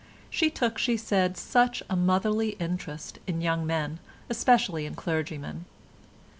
She took, she said, such a motherly interest in young men, especially in clergymen.